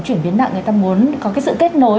chuyển biến nặng người ta muốn có cái sự kết nối